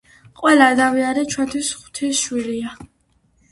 ყველა ადამიანი ჩვენთვის ღვთის შვილია.